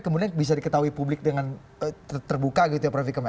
kemudian bisa diketahui publik dengan terbuka gitu ya prof ikam ya